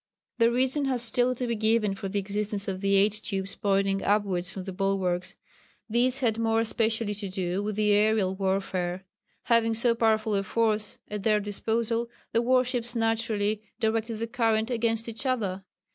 The reason has still to be given for the existence of the eight tubes pointing upwards from the bulwarks. This had more specially to do with the aerial warfare. Having so powerful a force at their disposal, the warships naturally directed the current against each other.